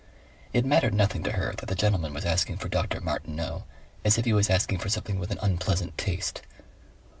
It mattered nothing to her that the gentleman was asking for Dr. Martineau as if he was asking for something with an unpleasant taste.